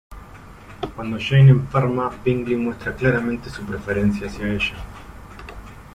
Cuando Jane enferma, Bingley muestra claramente su preferencia hacía ella.